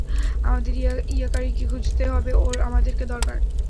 আমাদের ইয়াকারিকে খুঁজতে হবে, ওর আমাদেরকে দরকার।